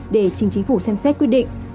để chính chính phủ xem xét quyết định